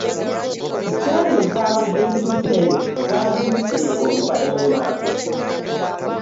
Essaati ezabadde zibuze zazuuse oluvanyuma.